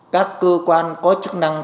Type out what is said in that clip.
các cơ quan có chức năng